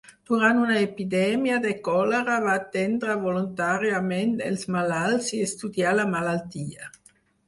Durant una epidèmia de còlera va atendre voluntàriament els malalts i estudià la malaltia.